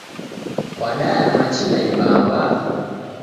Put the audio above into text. Kwadaya machi na ibamba?